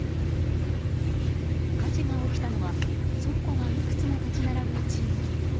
火事が起きたのは倉庫がいくつも立ち並ぶ地域。